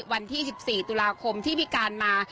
วันที่๑๔ตุลาคมที่พิการมา